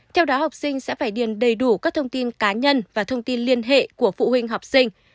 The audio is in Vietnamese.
theo đó học sinh sẽ phải điền đầy đủ các thông tin cá nhân và thông tin liên hệ của phụ huynh học sinh